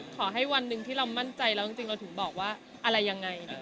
ขอให้วันหนึ่งที่เรามั่นใจแล้วจริงเราถึงบอกว่าอะไรยังไง